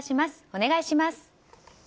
お願いします。